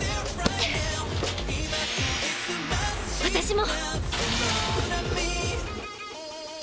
私も！